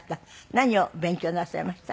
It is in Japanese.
何を勉強なさいました？